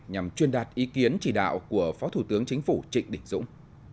nhằm truyền đạt ý kiến chỉ đạo của phó thủ tướng chính phủ trịnh đình dũng